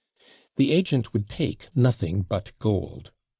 The agent would take nothing but gold.